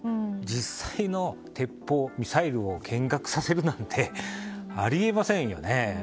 実際の鉄砲ミサイルを見学させるなんてありませんよね。